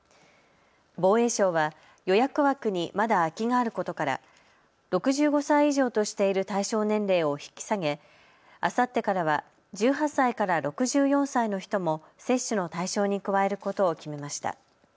防衛省は予約枠にまだ空きがあることから６５歳以上としている対象年齢を引き下げあさってからは１８歳から６４歳の人も接種の対象に加えることを決めました。